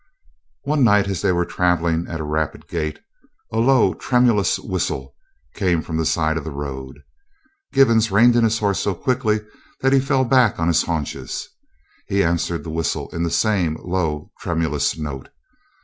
One night as they were travelling at a rapid gait, a low, tremulous whistle came from the side of the road. Givens reined in his horse so quickly that he fell back on his haunches. He answered the whistle in the same low, tremulous note.